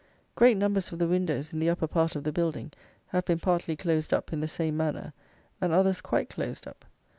Great numbers of the windows in the upper part of the building have been partly closed up in the same manner, and others quite closed up.